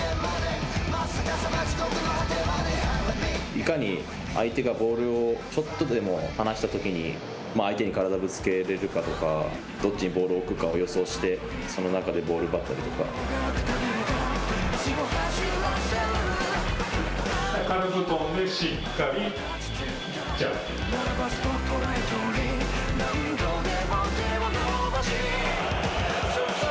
いかに相手がボールをちょっとでも離したときに、相手に体をぶつけられるかとか、どっちにボールを送るかを予想して、その中軽く跳んでしっかりジャンプ。